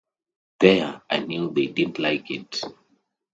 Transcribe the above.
There, I knew they didn't like it!